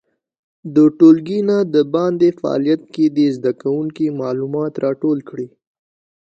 د ټولګي نه د باندې فعالیت کې دې زده کوونکي معلومات راټول کړي.